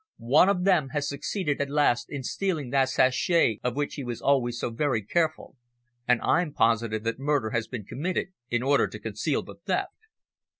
"One of them has succeeded at last in stealing that sachet of which he was always so very careful, and I'm positive that murder has been committed in order to conceal the theft."